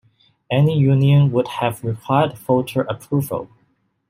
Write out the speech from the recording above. Any union would have required voter approval.